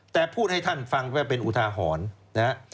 แต่พูดให้ท่านฟังว่าเป็นอุทาหรณ์